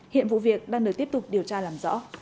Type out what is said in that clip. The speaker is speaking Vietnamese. hiện vụ việc đang được tiếp tục điều tra